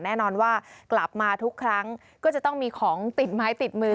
แน่นอนว่ากลับมาทุกครั้งก็จะต้องมีของติดไม้ติดมือ